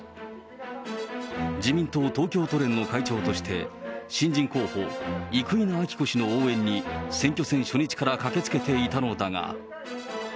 自民党東京都連の会長として、新人候補、生稲晃子氏の応援に、選挙戦初日から駆けつけていたのだが。